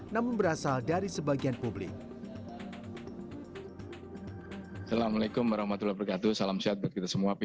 namun berasal dari sebagian publik